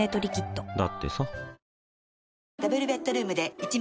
だってさ